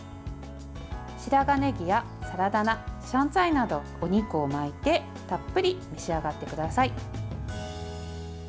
白髪ねぎや、サラダ菜シャンツァイなどお肉を巻いてたっぷり召し上がってください。